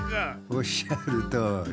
おっしゃるとおり。